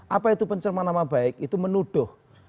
apa itu pencerma nama baik itu menuduh